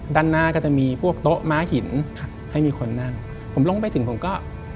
ด้านหน้าก็จะมีพวกโต๊ะม้าหินครับให้มีคนนั่งผมลงไปถึงผมก็